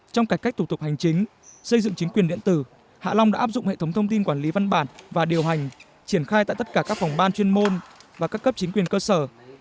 trong cải cách thủ tục hành chính xây dựng chính quyền điện tử hạ long đã áp dụng hệ thống thông tin quản lý văn bản và điều hành triển khai tại tất cả các phòng ban chuyên môn và các cấp chính quyền cơ sở